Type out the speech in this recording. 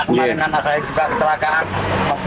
kemarin anak saya juga kecelakaan